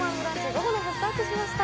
午後の部スタートしました。